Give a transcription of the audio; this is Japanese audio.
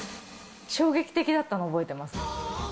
衝撃的だったの、覚えてます。